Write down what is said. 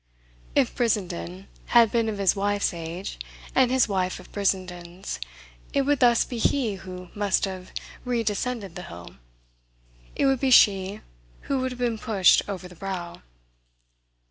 If Brissenden had been of his wife's age and his wife of Brissenden's, it would thus be he who must have redescended the hill, it would be she who would have been pushed over the brow.